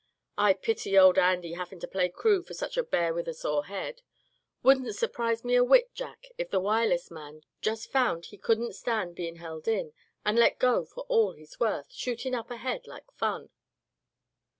"I pity poor old Andy havin' to play crew for such a bear with a sore head. Wouldn't surprise me a whit, Jack, if the Wireless man just found he couldn't stand bein' held in, and let go for all he's worth, shootin' up ahead like fun."